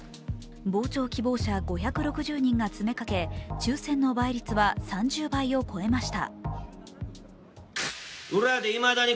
傍聴希望者５６０人が詰めかけ抽選の倍率は３０倍を超えました。